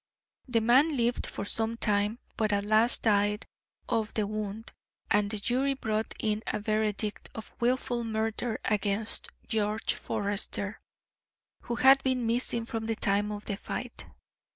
The man lived for some time, but at last died of the wound, and the jury brought in a verdict of wilful murder against George Forester, who had been missing from the time of the fight."